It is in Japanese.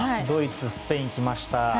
ドイツ、スペイン来ました。